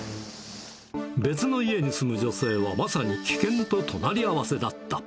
別の家に住む女性は、まさに危険と隣り合わせだった。